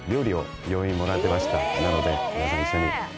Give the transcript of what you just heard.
なので皆さん一緒に。